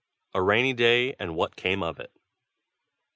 A RAINY DAY AND WHAT CAME OF IT.